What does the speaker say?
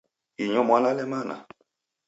Inyo mwalale mana?